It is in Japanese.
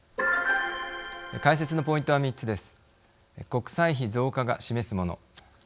解説のポイントは３つです。